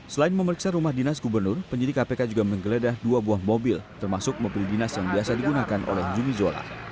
selain memeriksa rumah dinas gubernur penyidik kpk juga menggeledah dua buah mobil termasuk mobil dinas yang biasa digunakan oleh zumi zola